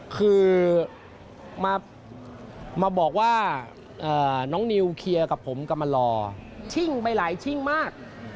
คือมาบอกว่าน้องนิวเคลียร์กับผมกลับมารอชิ่งไปหลายชิ่งมาก